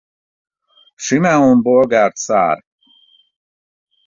Simeon bolgár cár.